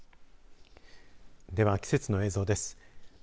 では季節の映像です。